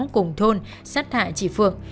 cùng thôn sát hại chị phượng